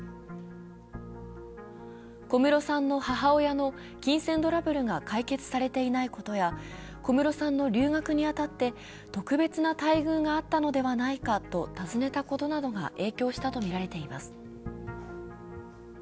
小室さんの母親の金銭トラブルが解決されていないことや、小室さんの留学に当たって特別な待遇があったのではないかと尋ねたことなどが影響したとみられています。